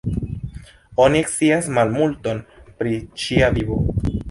Oni scias malmulton pri ŝia vivo.